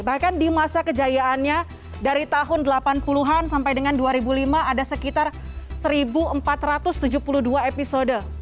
bahkan di masa kejayaannya dari tahun delapan puluh an sampai dengan dua ribu lima ada sekitar satu empat ratus tujuh puluh dua episode